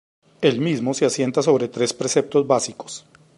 El mismo se asienta sobre tres preceptos básicos.